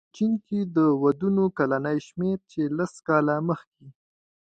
په چین کې د ودونو کلنی شمېر چې لس کاله مخې